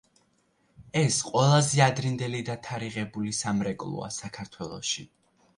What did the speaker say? ეს ყველაზე ადრინდელი დათარიღებული სამრეკლოა საქართველოში.